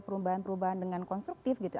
perubahan perubahan dengan konstruktif gitu